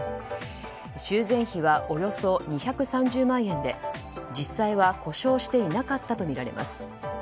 修繕費はおよそ２３０万円で実際は故障していなかったとみられます。